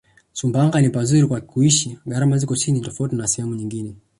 Sumbawanga ni pazuri kwa kuishi gharama ziko chini tofauti na sehemu nyngine